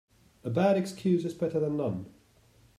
A bad excuse is better then none.